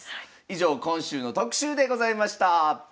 以上今週の特集でございました。